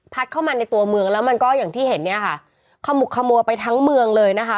เข้ามาในตัวเมืองแล้วมันก็อย่างที่เห็นเนี่ยค่ะขมุกขมัวไปทั้งเมืองเลยนะคะ